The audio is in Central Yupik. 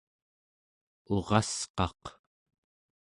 urasqaq